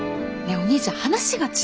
お兄ちゃん話が違うんだけど！